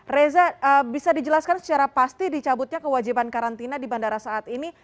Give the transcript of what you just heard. reza bisa dijelaskan secara pasti dicabutnya kewajiban karantina di bandara saat ini